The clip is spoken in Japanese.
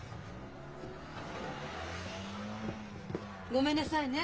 ごめんなさいね。